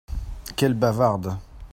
Quelle bavarde !